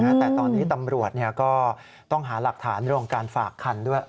แต่ตอนนี้ตำรวจก็ต้องหาหลักฐานเรื่องการฝากคันด้วย